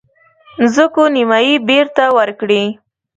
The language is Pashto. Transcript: مځکو نیمايي بیرته ورکړي.